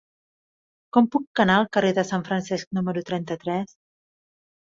Com puc anar al carrer de Sant Francesc número trenta-tres?